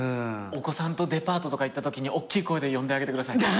お子さんとデパートとか行ったときに大きい声で呼んであげてください。